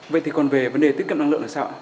vậy thì còn về vấn đề tiết kiệm năng lượng là sao ạ